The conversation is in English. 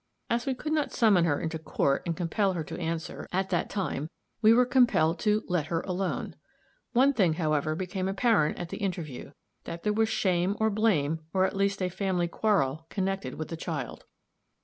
As we could not summon her into court and compel her to answer, at that time, we were compelled to "let her alone." One thing, however, became apparent at the interview that there was shame or blame, or at least a family quarrel, connected with the child.